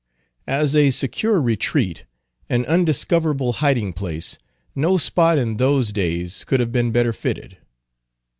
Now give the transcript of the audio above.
As a secure retreat, an undiscoverable hiding place, no spot in those days could have been better fitted.